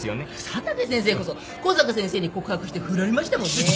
佐竹先生こそ小坂先生に告白して振られましたもんね。